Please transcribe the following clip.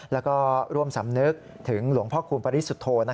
แล้วก็ร่วมสำนึกถึงหลวงพ่อคูณปริสุทธโธ